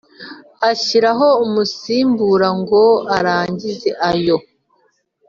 ashyiraho umusimbura ngo arangize iyo